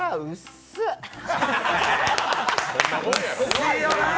薄いよなぁ。